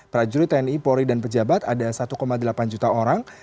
prajurit tni polri dan pejabat ada satu delapan juta orang